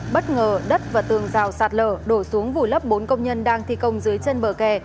bất ngờ đất và tường rào sạt lở đổ xuống vùi lấp bốn công nhân đang thi công dưới chân bờ kè